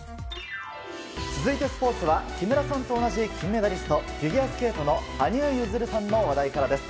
続いてスポーツは木村さんと同じ金メダリストフィギュアスケートの羽生結弦さんの話題からです。